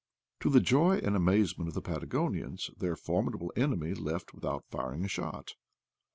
To the joy and amazement of the Patagonians, their formidable enemy left without firing a shot.